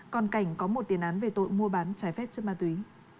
còn cảnh có một tiền án về tội mua bán trái phép chất ma túy